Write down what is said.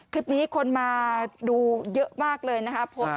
คลิปนี้คนมาดูเยอะมากเลยนะครับ